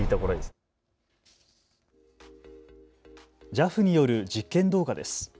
ＪＡＦによる実験動画です。